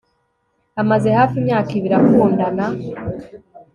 amaze hafi imyaka ibiri akundana